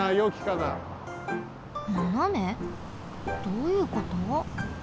どういうこと？